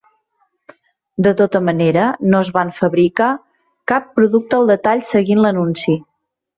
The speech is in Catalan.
De tota manera, no es van fabrica cap producte al detall seguint l'anunci.